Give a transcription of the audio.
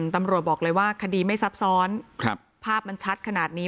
ตำรวจบอกเลยว่าคดีไม่ซับซ้อนภาพมันชัดขนาดนี้